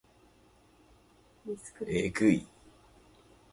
えぐい